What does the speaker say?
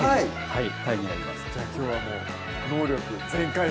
はい